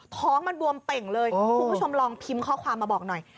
ท้องมันบวมเป่งเลยคุณผู้ชมลองพิมพ์ข้อความมาบอกหน่อย